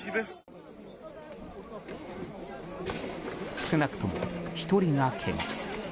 少なくとも１人がけが。